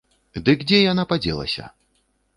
Дык дзе яна падзелася?